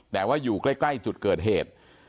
แต่ว่าอยู่ใกล้จุดเกิดเหตุ